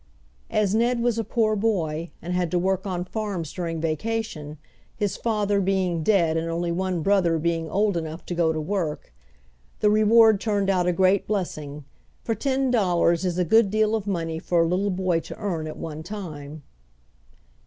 As Ned was a poor boy, and had to work on farms during vacation, his father being dead and only one brother being old enough to go to work, the reward turned out a great blessing, for ten dollars is a good deal of money for a little boy to earn at one time.